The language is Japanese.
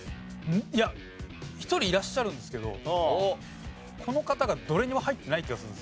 いや１人いらっしゃるんですけどこの方がどれにも入ってない気がするんですよ。